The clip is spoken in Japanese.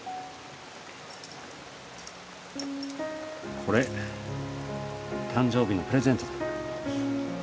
これ誕生日のプレゼントだ。